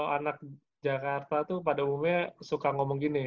anak jakarta tuh pada umumnya suka ngomong gini